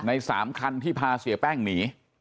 ใน๓คันที่พาเสียแป้งหนี